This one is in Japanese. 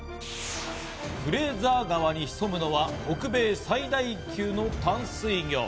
フレーザー川に潜むのは北米最大級の淡水魚。